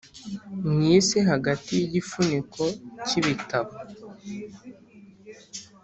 mwisi hagati yigifuniko cyibitabo,